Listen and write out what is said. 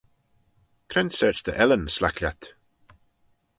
Cre'n sorçh dy ellyn s'laik lhiat?